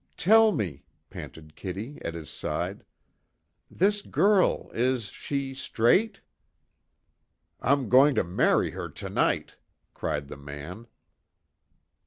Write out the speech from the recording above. "Tell me " panted Kitty, at his side. "This girl is she straight?" "I'm going to marry her tonight!" cried the man.